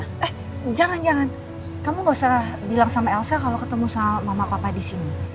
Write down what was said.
eh jangan jangan kamu gak usah bilang sama elsa kalau ketemu sama mama papa di sini